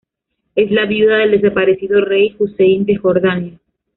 Es la viuda del desaparecido rey Husein de Jordania.